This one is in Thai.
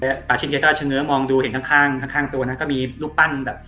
ปาชิดแกก็เฉง้อมองดูเห็นข้างข้างตัวนะก็มีรูปปั้นแบบ